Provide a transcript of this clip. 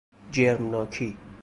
جرمناکی